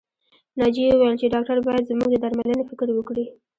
ناجيې وويل چې ډاکټر بايد زموږ د درملنې فکر وکړي